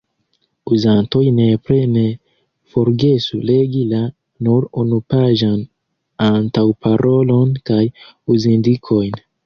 Uzantoj nepre ne forgesu legi la – nur unupaĝan – antaŭparolon kaj uzindikojn.